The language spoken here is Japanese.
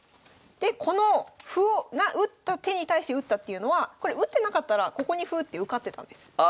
でこの歩を打った手に対して打ったっていうのはこれ打ってなかったらここに歩打って受かってたんです。